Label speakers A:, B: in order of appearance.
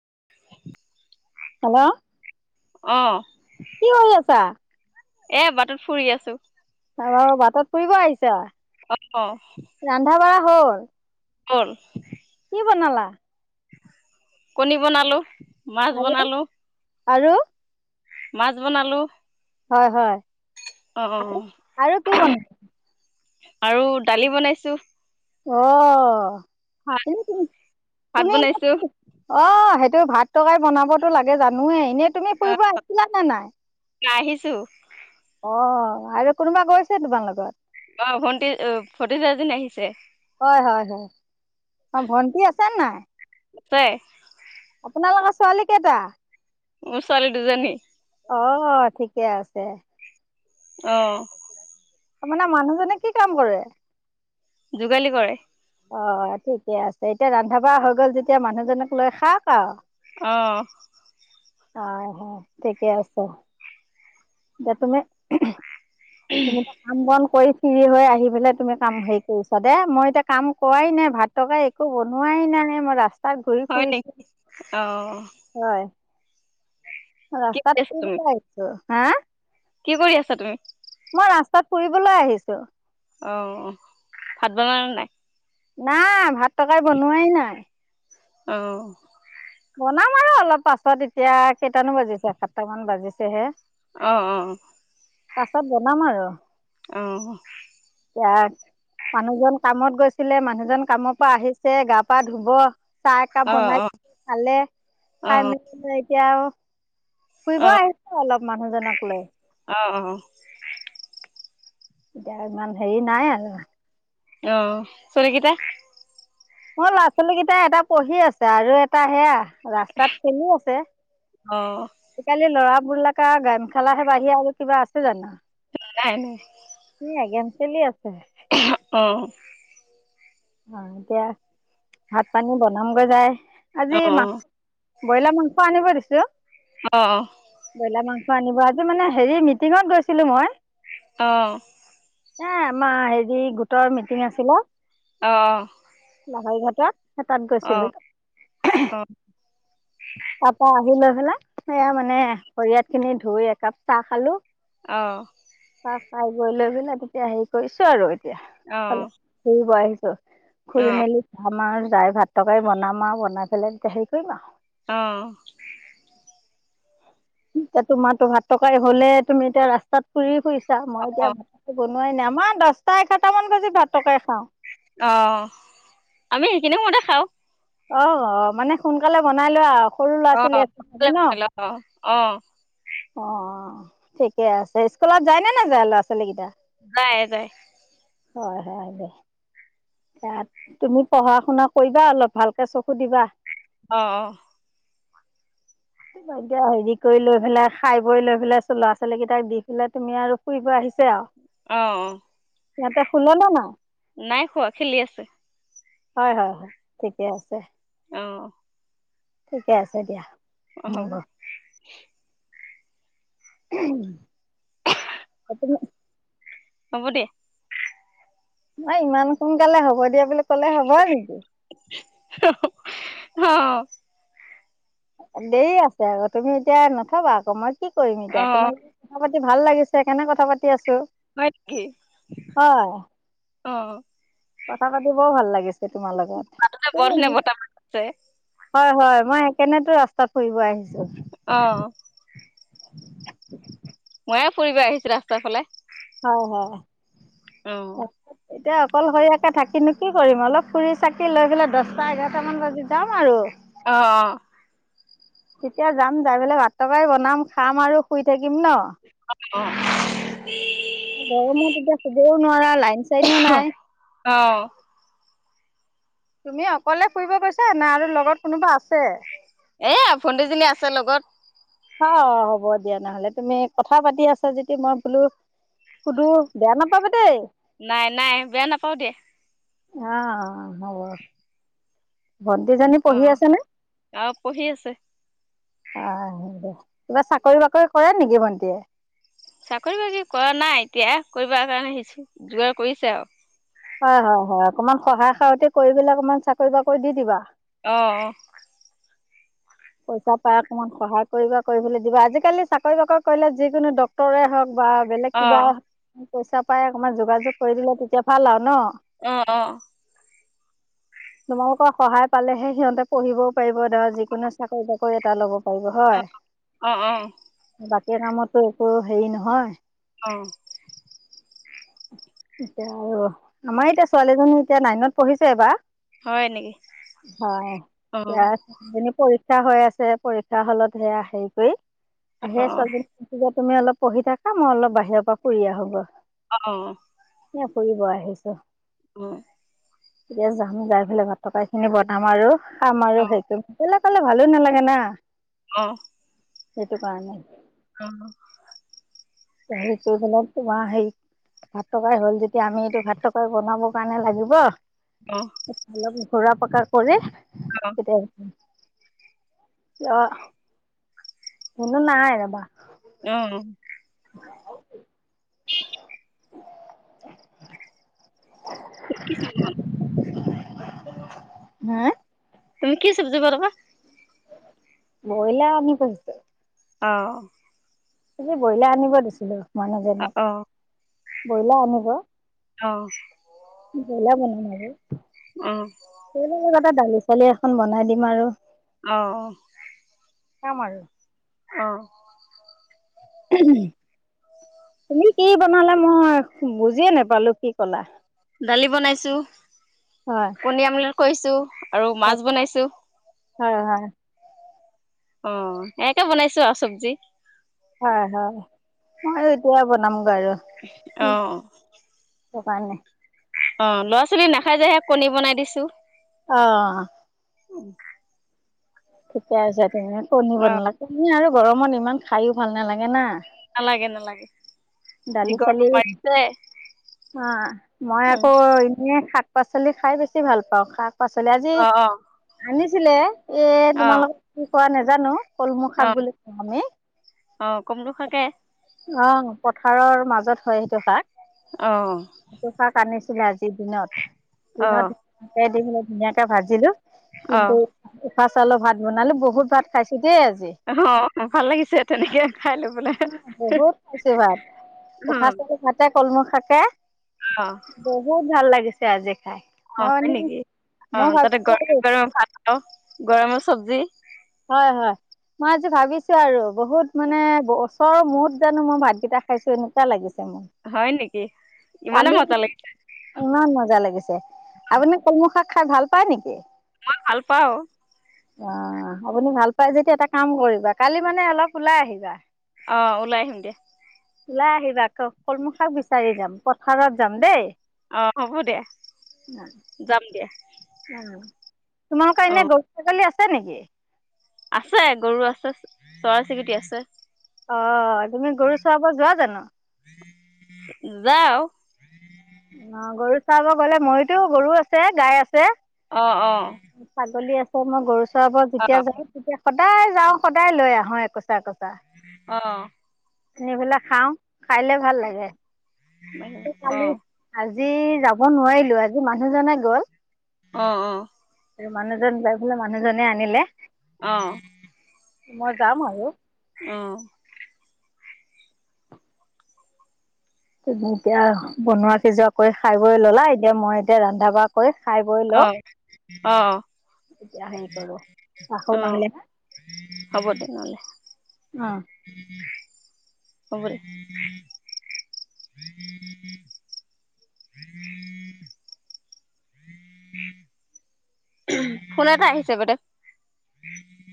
A: [unintelligible]
B: Hello.
A: অহ।
B: কি কৰি আছা।
A: এ বাটত ফুৰি আছো।
B: অ বাটত ফুৰিব আহিছা
A: অ
B: ৰন্ধা বঢ়া হ'ল।
A: হ'ল।
B: কি বনালা?
A: কণী বনালো। মাছ বনালো।
B: আৰু
A: মাছ বনালো।
B: হয়, হয়। আক'
A: অ',
B: আৰু কি বনো
A: আৰু দালি বনাইছো।
B: অ'।
A: ভাত
B: এনেকেই
A: ভাত
B: তুমি, এনে
A: বনাইছো
B: অহ। তুমি ভাত টৰকাৰি বনাব টো লাগেই জানোৱে এনে তুমি
A: অ',
B: ফুৰিব আহিছিলা নে নাই?
A: আহিছো।
B: অ' আৰু কোনোবা গৈছে তোমাৰ লগত?
A: অ' ভণ্টি ভটিজাৰ এজনী আহিছে।
B: হয়, হয়। অ' ভণ্টি আছে নাই।
A: আছে।
B: আপোনালোকৰ ছোৱালী কেইটা?
A: মোৰ ছোৱালী দুজনী।
B: অ' ঠিকে আছে।
A: অহ।
B: আপোনাৰ মানুহজনে কি কাম কৰে?
A: যোগালি কৰে।
B: অ' ঠিকে আছে। এতিয়া ৰন্ধা বঢ়া হৈ গ'ল যেতিয়া মানুহজনক লৈ খাওক আও
A: অহ।
B: হয়, হয় ঠিকে আছে এতিয়া তুমি খু তুমি এতিয়া কাম বন কৰিছ ফিৰ হৈ আহি পেলাই তুমি কাম হেৰি কৰিছা দে, মই এতিয়া কাম কৰাই নাই ভাত টকাৰি একো বনোৱাই নাই, মই ৰাস্তাত ঘূৰি
A: হয়
B: ফুৰিছো
A: নেকি অ',
B: হয়।
A: কৰি
B: ৰাস্তাত
A: আছা
B: কি
A: তুমি
B: বিচাৰি আহিছ। হা?
A: কি কৰি আছা তুমি।
B: মই ৰাস্তাত ফুৰিবলৈ আহিছো।
A: অ', ভাত বনালা নে নাই।
B: নাই ভাত তৰকাৰী বনোৱাই নাই।
A: অ'।
B: বনাম আৰু অলপ পাছত এতিয়া, কেইটানো বাজিছে সাতটামান বাজিছেহে।
A: অ', -অ'।
B: পাছত বনাম আৰু।
A: অ'।
B: [unintelligible] মানুহজন কামত গৈছিলে, মানুহজন কামৰ পৰা আহিছে গা-পা ধুব চাহ একাপ বনাই
A: অ',
B: খালে, খাই-মেলি পেলাই এতিয়া আও ফুৰিব
A: অ',
B: আহিছো অলপ। মানুহজনক লৈ।
A: অ'।
B: এতিয়া ইমান হেৰি নাই আৰু।
A: অ', চলিকেইটাই
B: মোৰ ল'ৰা-ছোৱালী কেইটা এটা পঢ়ি আছে আৰু এটা সেয়া ৰাস্তাত খেলি আছে।
A: অ',
B: কালি ল'ৰা [unintelligible] গেমখেলাাহে বাহি আৰু কিবা আছে জানো?
A: নাই নাই
B: সেয়া গেম খেলি আছে
A: অ'।
B: অ', এতিয়া ভাত পানী বনামগৈ যায়। আজি
A: অ
B: মা বইলাৰ মাংস আনিব দিছো।
A: অ', অ'।
B: বইলাৰ মাংস আনিব আজি মানে হেৰি মিটিঙত গৈছিলোঁ মই
A: অ'।
B: এ, আমাৰ হেৰি গোটৰ মিটিং আছিলে
A: অ'।
B: লাহৰি ঘাটত। এই তাত
A: অ
B: গৈছিলো। তাৰ পৰা আহি লৈ [unintelligible] সেয়া মানে ভৰি হাত খিনি ধুই একাপ চাহ খালোঁ।
A: অ'।
B: খাই বৈ লৈ [unintelligible] তেতিয়া হেৰি কৰিছোঁ আৰু অলপ ফুৰিব আহিছ
A: অ
B: খুলি মেলি ধামাৰ দাইল, ভাত, তৰকাৰী বনাম আৰু বনাই পেলাই তেতিয়া হেৰি কৰিম আৰু
A: অ
B: এতিয়া তোমাৰো ভাত তৰকাৰী হলে তুমি এতিয়া ৰাস্তাত ফুৰি হোইছা মই
A: অ
B: এতিয়া ভাত বনুৱাই নাই আমাৰ দহটা এঘাৰটা মান বাজি ভাত তকাই খাওঁ।
A: অ আমি সেইখিনি সময়তে খাও।
B: অ অ মানে সোনকালে বনাই লোৱা সৰু ল'ৰা ছোৱালী আছে চাগে ন
A: অঁ
B: অ ঠিকে আছে স্কুলত যায়নে না যায় ল'ৰা ছোৱালী কেইটা
A: যাই যায়।
B: হয় হয় দে [inaudible] তুমি পঢ়া শুনা কৰিবা অলপ ভালকে চকু দিবা।
A: অ অ
B: এতিয়া হেৰি কৰি লৈ পেলাই খাই বৈ লৈ পেলাই ল'ৰা ছোৱালী কেইটাক দি পেলাই তুমি আৰু ফুৰিব আহিছা আও
A: আহ
B: সিহঁতে শুলে নে নাই
A: নাই শুৱা খেলি আছে।
B: হয় হয় হয় ঠিকে আছে।
A: আহ
B: ঠিকে আছে দিয়া
A: অ হব [inaudible]
B: উম [inaudible] ত [inaudible]
A: হ'ব দে
B: নাই ইমান সোনকালে হ'ব দিয়া বলে ক'লে হ'ব নেকি
A: [unintelligible] অঁ
B: দেৰি আছে আক' তুমি এতিয়া নকবা আকৌ মই কি কি কৰিম
A: অ
B: এতিয়া, তোমাৰ লগত কথা পাতি ই ভাল লাগিছে এইকানে কথা পাতি আছো
A: হয় নিকি?
B: হয়
A: অঁ
B: কথা পাতিবও ভাল লাগিল। তোমাৰ লগত,
A: তাতে
B: এই
A: বৰ ধুনীয়া
B: মোৰ
A: বতাহ মাৰিছে
B: হয় হয় মই সেইকাৰণে টো ৰাস্তাত ফুৰিব আহিছো।
A: আহঁ।
B: [inaudible]
A: ময়ে ফুৰিব আহিছো ৰাস্তাৰ ফালে।
B: হয় হয়।
A: অঁ।
B: এতিয়া অকলশৰীয়াকে থাকি নো কি কৰিম? অলপ ফুৰি চাকি লৈ পেলাই দছটা এঘাৰটামান বাজি যাম আৰু।
A: অ অ।
B: তেতিয়া যাম যাই পেলাই ভাত, তৰকাৰি বনাম খাম আৰু শুই থাকি কিম ন,
A: অ
B: গৰমত এতিয়া শুবও নোৱাৰা লাইন চাইনো নাই।
A: অ অ
B: তুমি অকলে ফুৰিব গৈছা না আৰু লগত কোনোবা আছে?
A: এ ভণ্টিজনী আছে লগত।
B: অ হ'ব দিয়া নহ'লে, তুমি কথা পাতি আছা যদি মই বোলো সুধো বেয়া নাপ পাবা দেই।
A: নাই নাই বেয়া নাপাও দে।
B: আহ হব। ভণ্টিজনী পঢ়ি
A: অঁ
B: আছে নে?
A: আৰু পঢ়ি আছে।
B: আহ দে কিবা চাকৰি বাকৰি কৰে নেকি ভণ্টিয়ে?
A: চাকৰি বাকৰি কৰা নাই এতিয়া কৰিব কাৰণে আহিছো যোগাৰ কৰিছে আৰু
B: হয় হয় হয় অকমান সহায় সহতি কৰি পেলাই অকমান চাকৰি বাকৰি দি দিবা।
A: আহ আহ
B: পইচা পাই অকমান সহায় কৰিবা কৰিবলৈ দিবা আজিকালি চাকৰি বাকৰি কৰিলে যিকোনো ডক্তৰে হওক বা বেলেগ কিবা
A: অঁ
B: পইচা পাই অকণমান যোগাযোগ কৰি দিলে তেতিয়া ভাল আৰু ন?
A: আহ আহ
B: তোমালোকৰ সহায় পালেহে সিহঁতে পঢ়িবও পাৰিব ধৰা যিকোনো চাকৰি তাকৰি এটা ল'ব পাৰিব হয়।
A: অঁ অঁ অঁ
B: এয়া কামতো একো হেৰি নহয়
A: অ
B: এতিয়া আৰু আমাৰ এতিয়া ছোৱালীজনী এতিয়া নাইনত পঢ়িছে এবাৰ
A: হয় নেকি অঁ
B: [unintelligible] পৰীক্ষা হৈ আছে পৰীক্ষা হলত হেয়া হেৰী কৰি,
A: অঁ
B: আহে
A: অঁ
B: ছোৱালজনী [unintelligible] তুমি অলপ পঢ়ি থাকা মই অলপ বাহিৰৰ পৰা ফুৰি আহোগৈ,
A: অ', অ'।
B: ফুৰিব আহিছো।
A: হয়
B: এতিয়া যাম যাই পেলাই ভাত তৰকাৰী খিনি বনাম আৰু, আমাৰো
A: অঁ
B: সেইটো [unintelligible] [unintelligible] ভালো নালাগে না।
A: আহ
B: সেইটোকাৰনে।
A: উ।
B: হেৰি কৰি পেলাই তোমাৰ হেৰি ভাত তৰকাৰি হ'ল যেতিয়া আমি এইটো ভাত তৰকাৰি বনাব কাৰণে লাগিব,
A: অ'।
B: ঘোৰা পকা কৰে, কেতিয়া? আহ মুনু নাই ৰ'বা,
A: অঁ একেই চ মান।
B: হা।
A: তুমি কি চব্জি বানাবা?
B: ব্ৰইলাৰ আনি থৈছে।
A: অ'।
B: আজি ব্ৰইলাৰ আনিব দিছিলো, মানুহজনক। ব্ৰইলাৰ আনিব, ব্ৰইলাৰ
A: অ'।
B: বনাম আৰু,
A: আহ।
B: এ দালি চালি এখন বনাই দিম আৰু,
A: আহ।
B: খাম আৰু,
A: অ'।
B: তুমি কি বনালা মই বুজিয়ে নোপালো কি ক'লা?
A: দালি বনাইছো
B: হয়
A: পনীয়া আমল কৈছো। আৰু মাছ বনাইছো।
B: হয় হয়।
A: অ, এয়াকে বনাইছো আউ চব্জি।
B: হয়-হয় মই এতিয়া বনাম
A: অ।
B: টোকানে।
A: অ, ল'ৰা-ছোৱালী নাখাই যে হে কণী বনাই দিছো।
B: অ।
A: [inaudible]
B: থিকে আছে। তে কণী
A: অ
B: বনলাক। কণী আৰু গৰমত ইমান খায়ো ভাল নালাগে না।
A: নালাগে-নালাগে।
B: দালি চালি, অ মই আকৌ এনেই শাক পাচলি খাই বেছি ভাল পাওঁ, শাক পচলি আজি
A: অ অ
B: আনিছ ছিলে। এ
A: অ
B: তোমাৰ লগত পোৱা নাজানো। কলমৌ শাক
A: অ
B: বুলি কওঁ আমি,
A: অ কমলো শাকে
B: অ। পথাৰৰ মাজ জত হয় সেইটো শাক,
A: অ
B: টো শাক আনিছ ইনে আজি দিনত
A: অ
B: দিনত দে দি হলে ধুনীয়াকে ভাজিলো।
A: অ
B: কিন্ত খা চাউলৰ ভাত বনালো, বহুত ভাত খাইছিল।
A: অ ভাল লাগিছে তেনেকে খাই লৈ পেলাই।
B: অত,
A: অ
B: উখা [unintelligible] কলমৌ শাকে
A: অ
B: বহুত ভাল লাগিছ ছে আজি। খাই
A: অ
B: মই
A: হয় নেকি, অ
B: মানে মই
A: তাতে
B: ভাবিছো
A: গ
B: আৰু
A: গৰম ভাত অহ গৰমো সব্জি।
B: হয়-হয়, মই আজি ভাবিছো আৰু বহুত মানে বছৰৰ মুত জানো মই ভাতকেইটা খাইছো এনেকুৱা লাগিছে মো।
A: হয় নেকি? ইমানে
B: পালি
A: মজা লাগিছে
B: ইমান মজা লাগিছে, আপুনি কলমৌ শাক খাই ভাল পায় নেকি?
A: ভাল পাও।
B: অহ ', আপুনি ভাল পাই যদি এটা কাম কৰিবা কালি মানে অলপ ওলাই আহিবা
A: অহ ', ওলাই আহিম দে
B: ওলাই আহিবা আক কলমৌ শাক বিচাৰি যাম পথাৰত যাম দেই।
A: অহ ', হ'ব দিয়া যাম দিয়া।
B: উম [unintelligible] তোমালোকৰ
A: অ
B: এনে [unintelligible] আছে নেকি?
A: আছে গৰু আছে চৰাই চিৰিকটি আছে।
B: অহ ', তুমি গৰু চৰাব যোৱা জানো
A: যাও
B: অহ ', গৰু চৰাব গ'লে মইতো গৰু আছে গাই আছে
A: অ অ
B: ছাগলী আছে। ত মই গৰ [unintelligible]
A: অ
B: যেতিয়া যাও তেতিয়া। দায় যাও সদায় লৈ আহো একোচা - একোচা।
A: অহ ',
B: আনি পেলে খাও খাইলে ভাল লাগে।
A: মাইনে
B: কালি
A: অহ ',
B: আজি যাও। মই নোৱাৰিলো আজি মাহ দুজনে গ'ল?
A: অহ', - অহ ',
B: আৰু মানুহজন যাই বোলে মানুহজনে আনিলেহ।
A: অহ ',
B: মই যাম আৰু।
A: অহ ',
B: এহ, ভুকে আহ। বনোৱা সিজোৱা কৰি খাই বৈ ল'লা, এতিয়া মই এতিয়া ৰান্ধা বঢ়া কৰি। খাই বই ল।
A: অহ ',
B: এতিয়া হেৰি কৰোহ ৰাখো
A: অ',
B: নহলে হা
A: হ'ব তেনেহ'লে
B: অহ।
A: হ'ব দে। [inaudible] ফোনতে আহিছে গদে।